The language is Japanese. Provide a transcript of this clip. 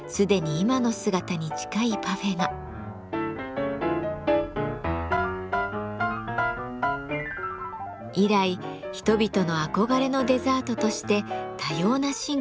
以来人々の憧れのデザートとして多様な進化を遂げています。